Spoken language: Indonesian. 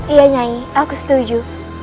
iya nyai aku setuju